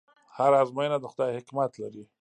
هره ازموینه د خدای حکمت لري.